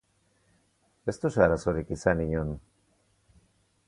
Ez duzu arazorik izan inon?